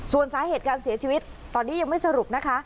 ส่วนสาเหตุการเสียชีวิตตอนนี้ยังไม่สรุปนะคะ